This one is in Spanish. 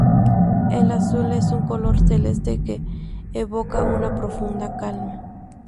El azul es un color celeste, que evoca una profunda calma.